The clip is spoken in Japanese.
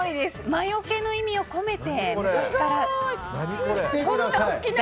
魔よけの意味を込めて昔から。